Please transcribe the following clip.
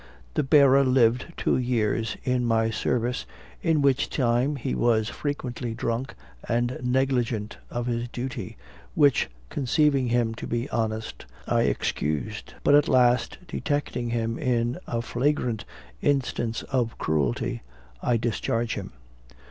"The bearer lived two years in my service, in which time he was frequently drunk and negligent of his duty; which, conceiving him to be honest, I excused; but at last detecting him in a flagrant instance of cruelty, I discharge him."